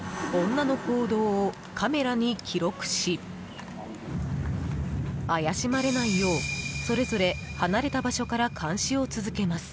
女の行動をカメラに記録し怪しまれないようそれぞれ離れた場所から監視を続けます。